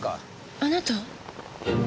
あなた？